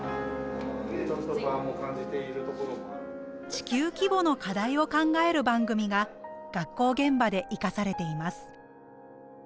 地球規模の課題を考える番組が学校現場でいかされています。